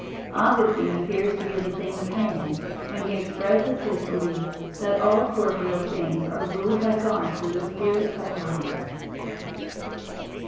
Augustine appears to be of the same opinion when he expresses his belief that all corporeal things are ruled by God through the spirit of life (De Trin.